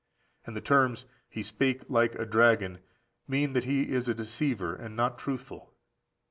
And the terms, "he spake like a dragon," mean that he is a deceiver, and not truthful.